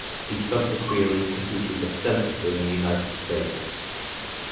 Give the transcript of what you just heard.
He subsequeerly competed extensively in the United States.